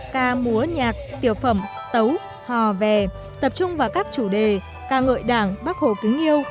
ca múa nhạc tiểu phẩm tấu hò vè tập trung vào các chủ đề ca ngợi đảng bác hồ kính yêu